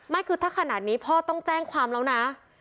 คือถ้าขนาดนี้พ่อต้องแจ้งความแล้วนะ